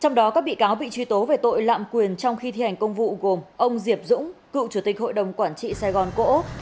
trong đó các bị cáo bị truy tố về tội lạm quyền trong khi thi hành công vụ gồm ông diệp dũng cựu chủ tịch hội đồng quản trị sài gòn cổ úc